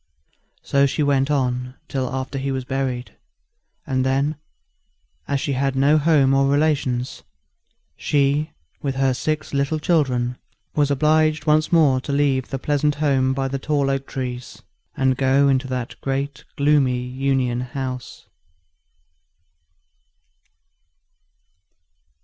So she went on till after he was buried; and then, as she had no home or relations, she, with her six little children, was obliged once more to leave the pleasant home by the tall oak trees, and go into that great gloomy Union House.